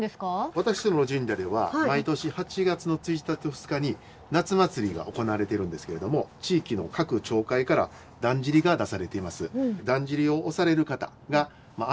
私どもの神社では毎年８月の１日と２日に夏祭りが行われているんですけれども地域の各町会からだんじりが出されています。